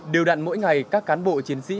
điều đặn mỗi ngày các cán bộ chiến sĩ